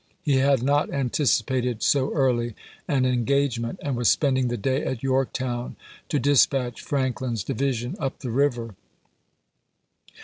He had not anticipated so early an en gagement, and was spending the day at Yorktown to dispatch Franklin's division up the river.